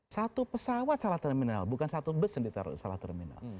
satu pesawat salah terminal bukan satu bus yang ditaruh salah terminal